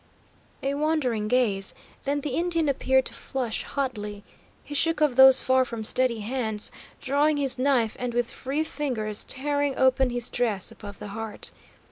A wondering gaze, then the Indian appeared to flush hotly. He shook off those far from steady hands, drawing his knife and with free fingers tearing open his dress above the heart.